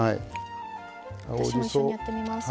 私も一緒にやってみますね。